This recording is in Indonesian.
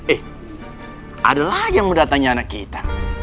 eh ada lagi yang menda tanya anak kita